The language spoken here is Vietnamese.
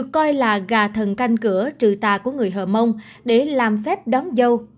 coi là gà thần canh cửa trừ tà của người hồng mông để làm phép đón dâu